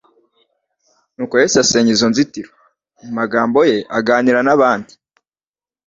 Nuko Yesu asenya izo nzitiro. Mu magambo ye aganira n'abandi,